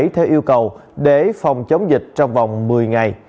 theo yêu cầu để phòng chống dịch trong vòng một mươi ngày